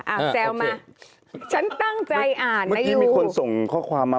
อ่าแซวมาฉันตั้งใจอ่านมาอยู่เมื่อกี้มีคนส่งข้อความมา